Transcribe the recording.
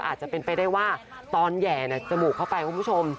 อาจจะเป็นไปได้ว่าตอนแห่จมูกเข้าไปคุณผู้ชม